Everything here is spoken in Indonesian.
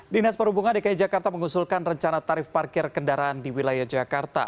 dinas perhubungan dki jakarta mengusulkan rencana tarif parkir kendaraan di wilayah jakarta